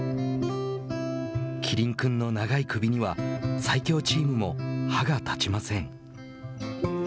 キリン君の長い首には最強チームも歯が立ちません。